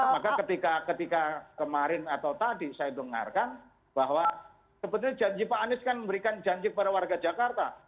maka ketika kemarin atau tadi saya dengarkan bahwa sebetulnya janji pak anies kan memberikan janji kepada warga jakarta